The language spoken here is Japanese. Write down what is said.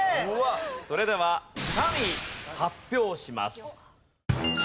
それでは３位発表します。